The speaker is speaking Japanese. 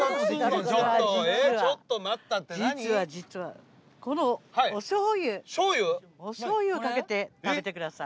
実は実はこのおしょうゆおしょうゆをかけて食べてください。